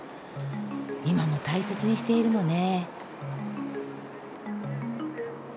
今も大切にしているのね。